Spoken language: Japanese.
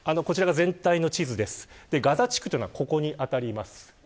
ガザ地区というのはここに当たります。